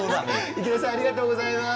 池田さんありがとうございます。